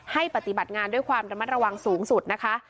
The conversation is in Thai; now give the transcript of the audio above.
ปฏิบัติงานด้วยความระมัดระวังสูงสุดนะคะ